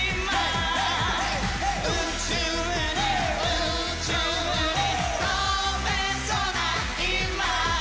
「宇宙に宇宙に飛べそな今」